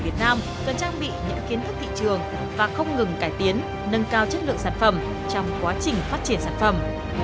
việt nam cần trang bị những kiến thức thị trường và không ngừng cải tiến nâng cao chất lượng sản phẩm trong quá trình phát triển sản phẩm